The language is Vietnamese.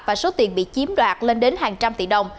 và số tiền bị chiếm đoạt lên đến hàng trăm tỷ đồng